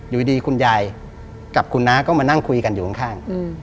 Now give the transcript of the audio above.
อยู่ดีคุณยายกับคุณน้าก็มานั่งคุยกันอยู่ข้าง